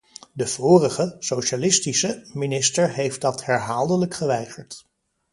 De vorige - socialistische - minister heeft dat herhaaldelijk geweigerd.